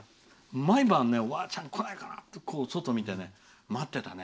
毎晩、おばあちゃん来ないかなって、外を見て待ってたね。